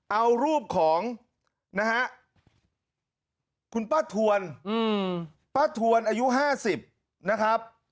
เอารูปของนะฮะคุณป้าทวนป้าทวนอายุ๕๐นะครับ